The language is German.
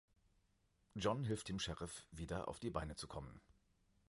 John hilft dem Sheriff, wieder auf die Beine zu kommen.